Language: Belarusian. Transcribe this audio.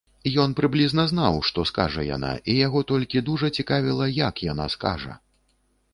Ён прыблізна знаў, што скажа яна, і яго толькі дужа цікавіла, як яна скажа.